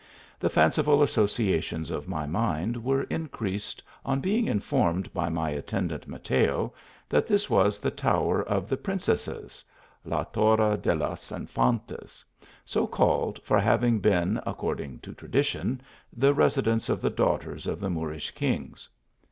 The fanciful associations of my mind were increased on being informed by my attendant, Mateo, that this was the tower of the Princesses, (la Torre de las In fantas) so called from having been, according to tradi tion, the residence of the daughters of the Moorish kings.